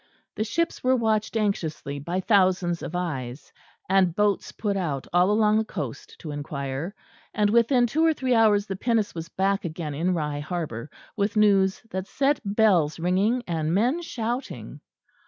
The ships were watched anxiously by thousands of eyes, and boats put out all along the coast to inquire; and within two or three hours the pinnace was back again in Rye harbour, with news that set bells ringing and men shouting.